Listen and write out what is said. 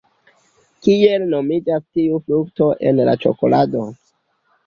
Kiel nomiĝas tiu frukto en la ĉokolado?